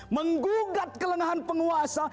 menggugat kelenahan penguasa